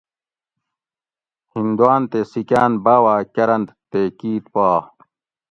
ھندوان تے سیکھۤان باوا کرنت تے کیت پا